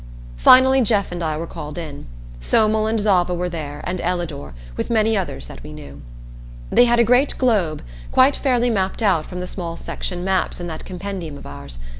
Finally Jeff and I were called in. Somel and Zava were there, and Ellador, with many others that we knew. They had a great globe, quite fairly mapped out from the small section maps in that compendium of ours.